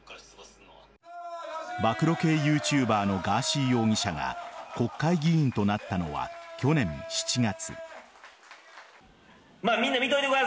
暴露系ＹｏｕＴｕｂｅｒのガーシー容疑者が国会議員となったのは去年７月。